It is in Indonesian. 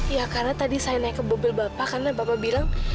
ya karena tadi saya naik ke mobil bapak karena bapak bilang